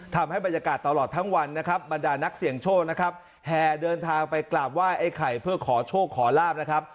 ทำให้บรรยากาศตลอดทั้งวันนะครับบรรดานักเสี่ยงโชคนะครับแห่เดินทางไปกราบไหว้ไอ้ไข่เพื่อขอโชคขอลาบนะครับ